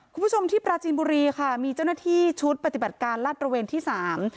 คุณผู้ชมที่ปราจีนบุรีค่ะมีเจ้าหน้าที่ชุดปฏิบัติการลาดระเวนที่สาม